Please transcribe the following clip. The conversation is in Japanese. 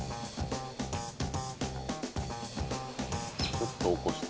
「ちょっと起こして」